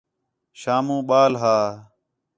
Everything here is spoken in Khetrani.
شامو ٻال ہا